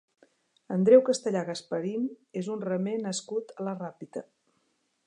Andreu Castellà Gasparin és un remer nascut a la Ràpita.